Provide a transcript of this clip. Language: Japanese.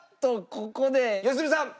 ここで良純さん！